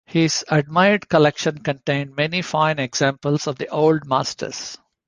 His admired collection contained many fine examples of the Old Masters.